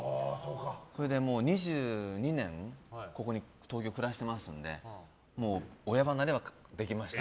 それで２２年東京で暮らしてますのでもう親離れはできました。